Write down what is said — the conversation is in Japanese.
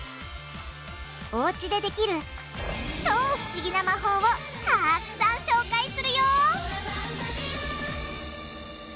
おうちでできる超不思議な魔法をたくさん紹介するよ！